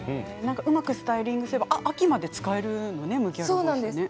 うまくスタイリングすれば秋まで使えるんですね。